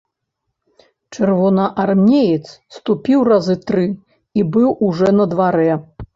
Чырвонаармеец ступіў разы тры і быў ужо на дварэ.